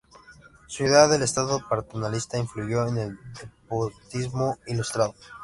Su idea del Estado paternalista influyó en el despotismo ilustrado.